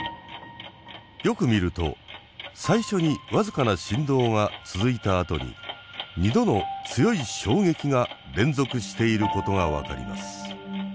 よく見ると最初に僅かな震動が続いたあとに２度の強い衝撃が連続していることが分かります。